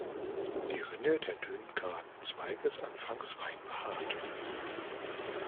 Die Rinde der dünnen, geraden Zweige ist anfangs fein behaart.